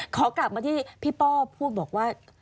ขอกลับมาที่พี่ป้อพูดบอกว่า